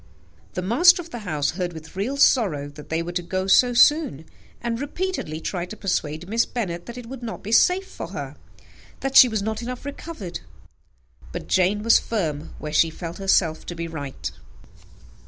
The master of the house heard with real sorrow that they were to go so soon, and repeatedly tried to persuade Miss Bennet that it would not be safe for her that she was not enough recovered; but Jane was firm where she felt herself to be right.